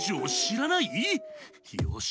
よし。